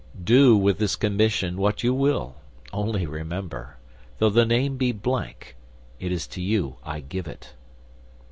"Do with this commission what you will; only remember, though the name be blank, it is to you I give it."